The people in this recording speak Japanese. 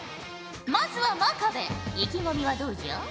まずは真壁意気込みはどうじゃ？